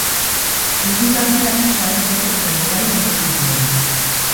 Hil bitartean, sari eta aitorpen ugari jaso zituen.